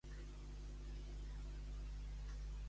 A bones campanes, el millor campaner que les toque.